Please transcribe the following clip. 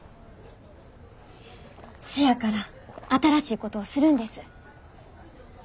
せやから新しいことをするんです。